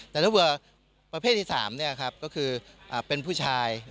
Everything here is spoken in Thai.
แต่ถ้าเผื่อประเภทที่๓ก็คือเป็นผู้ชาย